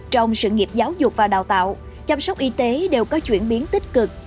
trong sự nghiệp giáo dục và đào tạo chăm sóc y tế đều có chuyển biến tích cực